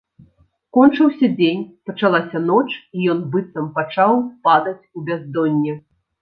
Кончыўся дзень, пачалася ноч, і ён быццам пачаў падаць у бяздонне.